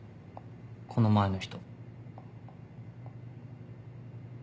この前の人。